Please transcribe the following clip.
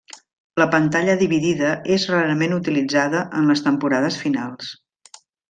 La pantalla dividida és rarament utilitzada en les temporades finals.